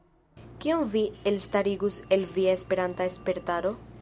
Kion vi elstarigus el via Esperanta spertaro?